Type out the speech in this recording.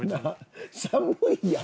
寒いやろ？